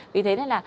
vì thế nên là